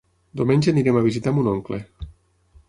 Diumenge anirem a visitar mon oncle.